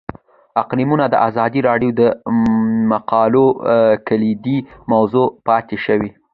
اقلیتونه د ازادي راډیو د مقالو کلیدي موضوع پاتې شوی.